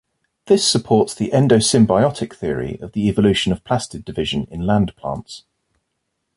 This supports the endosymbiotic theory of the evolution of plastid division in land plants.